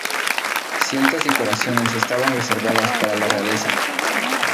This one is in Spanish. Ciertas decoraciones estaban reservadas para la realeza.